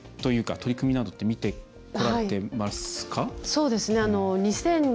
取り組みなどって見てこられてますか？